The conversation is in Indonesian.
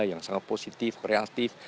yang sangat positif kreatif